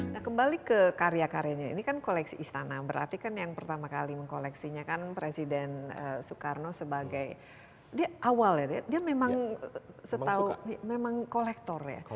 nah kembali ke karya karyanya ini kan koleksi istana berarti kan yang pertama kali mengkoleksinya kan presiden soekarno sebagai dia awal ya dia memang setahu memang kolektor ya